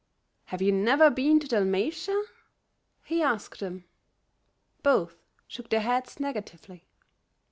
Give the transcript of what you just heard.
"Have you never been to Dalmatia?" he asked them. Both shook their heads negatively.